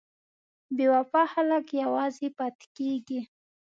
بې وفا خلک یوازې پاتې کېږي.